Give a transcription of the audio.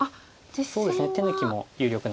そうですね手抜きも有力な手です。